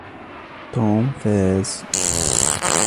توم فاز.